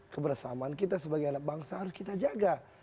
kebersamaan kita sebagai anak bangsa harus kita jaga